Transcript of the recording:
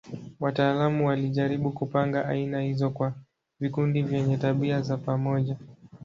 Wataalamu walijaribu kupanga aina hizo kwa vikundi vyenye tabia za pamoja.